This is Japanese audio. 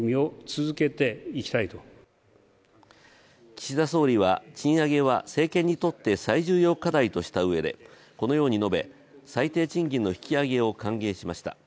岸田総理は賃上げは政権にとって最重要課題としたうえでこのように述べ、最低賃金の引き上げを歓迎しました。